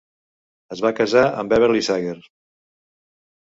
Es va casar amb Beverley Sager.